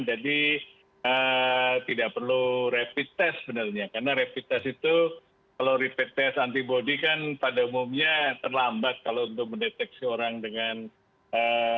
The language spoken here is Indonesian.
jadi tidak perlu rapid test sebenarnya karena rapid test itu kalau rapid test antibody kan pada umumnya terlambat kalau untuk mendeteksi orang dengan covid sembilan belas